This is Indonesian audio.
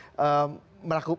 oke ini ada dua masalah